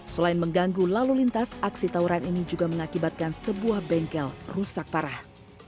selain mengganggu lalu lintas aksi tawuran ini juga mengakibatkan sebuah bengkel rusak parah